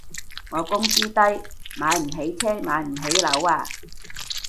我工資低，買唔起車買唔起樓啊